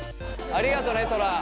ありがとねトラ。